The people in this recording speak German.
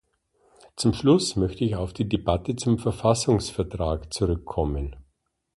Zum Schluss möchte ich auf die Debatte zum Verfassungsvertrag zurückkommen.